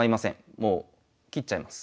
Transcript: もう切っちゃいます。